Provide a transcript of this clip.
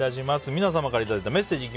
皆様からいただいたメッセージです。